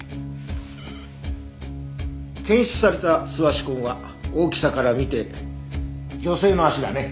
検出された素足痕は大きさからみて女性の足だね。